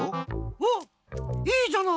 おっいいじゃない！